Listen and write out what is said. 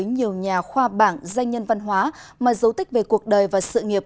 nhiều nhà khoa bảng doanh nhân văn hóa mà giấu tích về cuộc đời và sự nghiệp